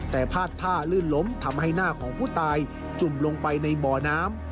แต่พาดท่าลื่นล้มทำให้หน้าของผู้ตายจุ่มลงไปในบ่อน้ำ